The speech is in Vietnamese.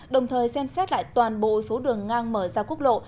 đồng thời xem xét lại toàn bộ số đường ngang mở ra quốc lộ